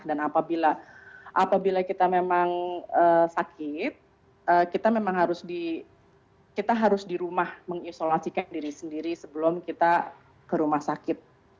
dan apabila kita memang sakit kita memang harus di rumah mengisolasikan diri sendiri sebelum kita ke rumah sakit